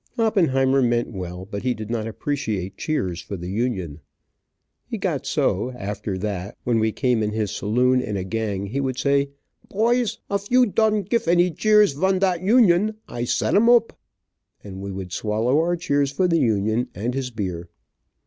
Oppenheimer meant well, but he did not appreciate cheers for the Union. He got so, after that when we came in his saloon, in a gang, he would say, "Poys, of you dondt gif any jeers fun dot Union, I set'em oop," and we would swallow our cheers for the Union, and his beer.